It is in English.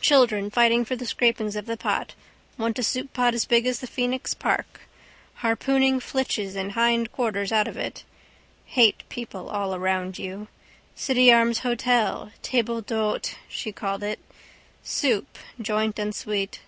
Children fighting for the scrapings of the pot. Want a souppot as big as the Phoenix park. Harpooning flitches and hindquarters out of it. Hate people all round you. City Arms hotel table d'hôte she called it. Soup, joint and sweet.